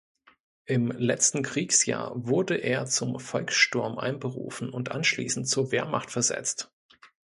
Im letzten Kriegsjahr wurde er zum Volkssturm einberufen und anschließend zur Wehrmacht versetzt.